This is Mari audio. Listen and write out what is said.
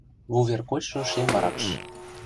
«Вувер кочшо шем варакш